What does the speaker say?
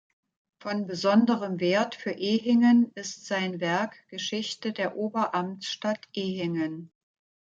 Von besonderem Wert für Ehingen ist sein Werk „Geschichte der Oberamtsstadt Ehingen“.